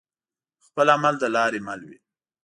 خپل عمل د لاري مل وي